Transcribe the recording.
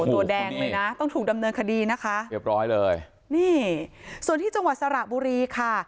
ตัวแดงเลยนะต้องถูกดำเนินคดีนะคะเรียบร้อยเลยนี่ส่วนที่จังหวัดสระบุรีค่ะ